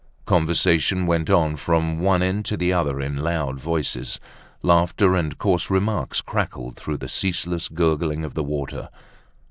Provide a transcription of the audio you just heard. Conversations went on from one end to the other in loud voices. Laughter and coarse remarks crackled through the ceaseless gurgling of the water.